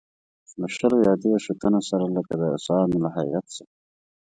له شلو یا دېرشوتنو سره لکه د روسانو له هیات سره.